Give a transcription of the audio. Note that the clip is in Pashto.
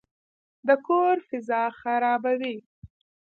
د کور فضا خرابوي.